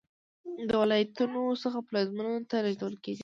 له ولایتونو څخه پلازمېنې ته لېږدول کېدل.